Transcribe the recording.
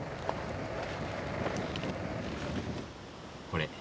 これ。